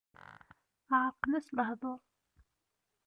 Ɛerqen-as lehdur.